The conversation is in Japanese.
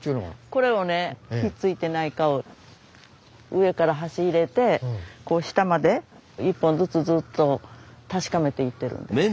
これをねひっついてないかを上から箸入れてこう下まで１本ずつずっと確かめていってるんですけど。